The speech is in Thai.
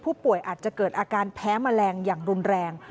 ผู้ป่วยอาจจะเกิดอาการแพ้แมลงอย่างรุนแรง